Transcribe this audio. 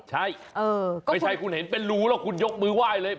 ใช่ไม่ใช่คุณเห็นเป็นรูแล้วคุณยกมือไหว้เลย